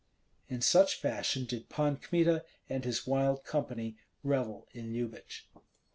In such fashion did Pan Kmita and his wild company revel in Lyubich.